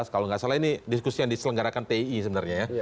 kalau nggak salah ini diskusi yang diselenggarakan tii sebenarnya ya